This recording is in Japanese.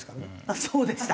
あっそうでした。